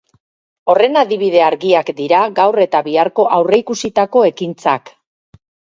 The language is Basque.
Horren adibide argiak dira gaur eta biharko aurreikusitako ekintzak.